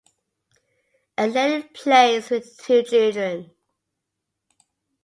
A lady plays with two children.